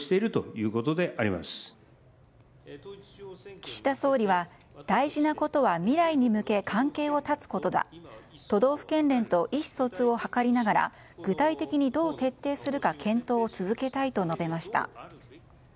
岸田総理は、大事なことは未来に向け関係を断つことだ都道府県連と意思疎通を図りながら具体的にどう徹底するか検討を続けたいと述べました。